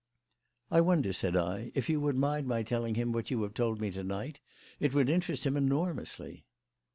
"I wonder," said I, "if you would mind my telling him what you have told me to night. It would interest him enormously."